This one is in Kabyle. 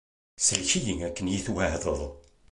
Sellek-iyi akken i iyi-t-tweɛdeḍ!